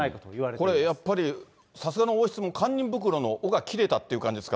これ、やっぱり、さすがの王室も堪忍袋の緒が切れたっていう感じですか？